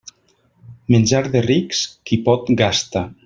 Menjar de rics; qui pot, gasta.